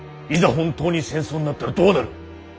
本当に戦争になったらどうなる！？